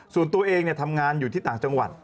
ส่วนตัวเองทำงานอยู่ที่ต่างจังหวัด